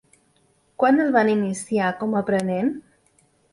Quan el van iniciar com a aprenent?